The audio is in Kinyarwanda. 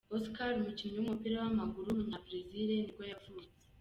Oscar, umukinnyi w’umupira w’amaguru w’umunya-Brazil ni bwo yavutse.